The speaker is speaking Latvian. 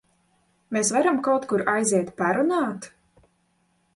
Mēs varam kaut kur aiziet parunāt?